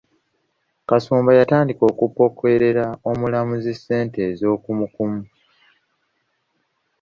Kasumba yatandika okupokerera omulamuzi ssente ez'okumukumu.